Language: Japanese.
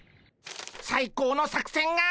最高の作戦が！